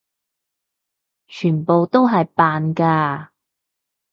全部都係扮㗎！